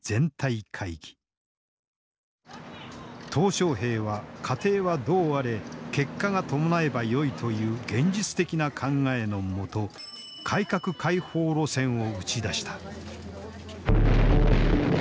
小平は過程はどうあれ結果が伴えばよいという現実的な考えの下改革開放路線を打ち出した。